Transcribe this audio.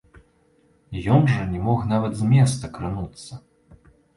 Ён жа не мог нават з месца крануцца.